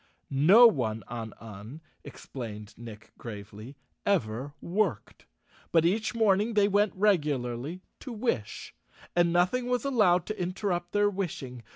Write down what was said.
No one on Un, explained Nick gravely, ever worked, but each morning they went reg¬ ularly to wish, and nothing was allowed to interrupt their wishing.